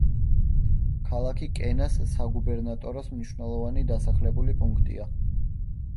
ქალაქი კენას საგუბერნატოროს მნიშვნელოვანი დასახლებული პუნქტია.